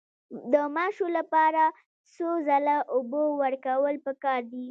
د ماشو لپاره څو ځله اوبه ورکول پکار دي؟